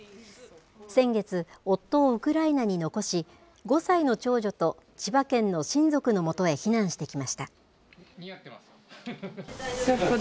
先月、夫をウクライナに残し、５歳の長女と千葉県の親族のもとへ避難してきました。